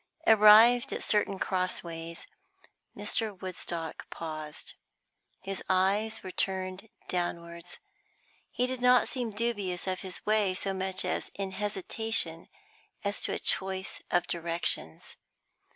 Arrived at certain cross ways, Mr. Woodstock paused. His eyes were turned downwards; he did not seem dubious of his way, so much as in hesitation as to a choice of directions.